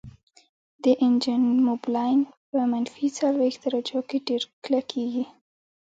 د انجن موبلاین په منفي څلوېښت درجو کې ډیر کلکیږي